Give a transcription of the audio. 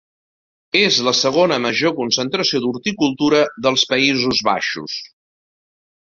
És la segona major concentració d'horticultura dels Països Baixos.